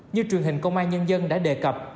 như truyền hình công an nhân dân đã đề cập